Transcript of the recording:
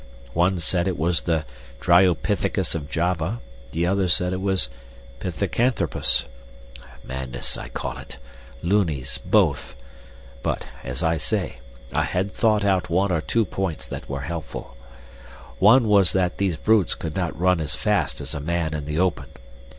One said it was the dryopithecus of Java, the other said it was pithecanthropus. Madness, I call it Loonies, both. But, as I say, I had thought out one or two points that were helpful. One was that these brutes could not run as fast as a man in the open.